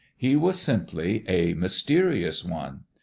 He was simply a Mysterious One.